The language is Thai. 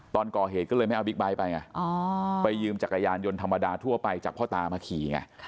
ตอนก่อเหตุก็เลยไม่เอาบิ๊กไบท์ไปไงไปยืมจักรยานยนต์ธรรมดาทั่วไปจากพ่อตามาขี่ไง